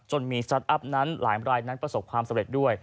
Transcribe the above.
มีสตาร์ทอัพนั้นหลายรายนั้นประสบความสำเร็จด้วย